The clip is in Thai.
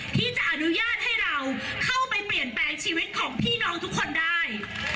ที่จะอนุญาตให้เราเข้าไปเปลี่ยนแปลงชีวิตของพี่น้องทุกคนได้